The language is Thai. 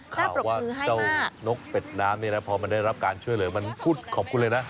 ข่าวว่าเจ้านกเป็ดน้ำเนี่ยนะพอมันได้รับการช่วยเหลือมันพูดขอบคุณเลยนะ